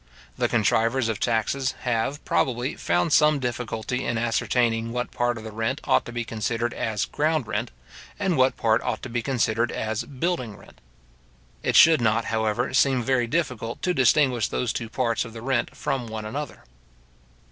The contrivers of taxes have, probably, found some difficulty in ascertaining what part of the rent ought to be considered as ground rent, and what part ought to be considered as building rent. It should not, however, seem very difficult to distinguish those two parts of the rent from one another.